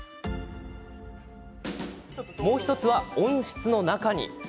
もう１つは、温室の中に。